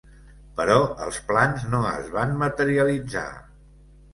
Però els plans no es van materialitzar.